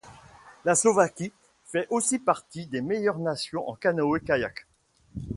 La Slovaquie fait aussi partie des meilleures nations en canoë-kayak.